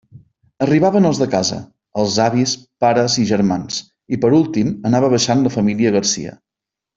Arribaven els de casa: els avis, pares i germans, i per últim anava baixant la família Garcia.